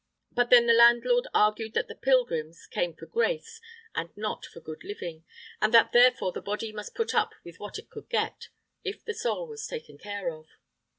But then the landlord argued that the pilgrims came for grace, and not for good living, and that therefore the body must put up with what it could get, if the soul was taken care of.